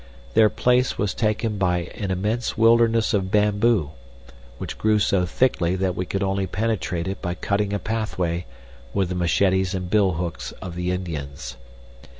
Their place was taken by an immense wilderness of bamboo, which grew so thickly that we could only penetrate it by cutting a pathway with the machetes and billhooks of the Indians.